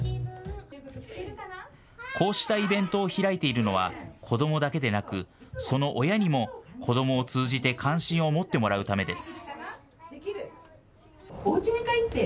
こうしたイベントを開いているのは子どもだけでなくその親にも子どもを通じて関心を持ってもらうためです。